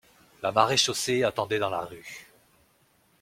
La maréchaussée attendait dans la rue.